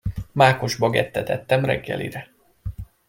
Mákos bagettet ettem reggelire.